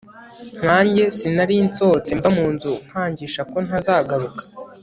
nkanjye sinari nsohotse mva munzu nkangisha ko ntazagaruka